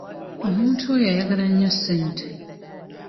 Omuntu oyo ayagala nnyo ssente.